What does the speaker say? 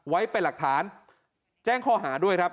ไว้เป็นหลักฐานแจ้งข้อหาด้วยครับ